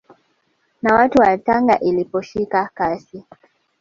Na watu wa Tanga iliposhika kasi